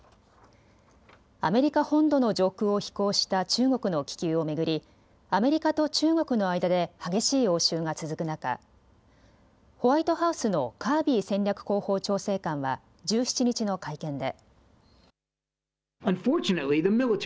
アメリカ本土の上空を飛行した中国の気球を巡りアメリカと中国の間で激しい応酬が続く中、ホワイトハウスのカービー戦略広報調整官は１７日の会見で。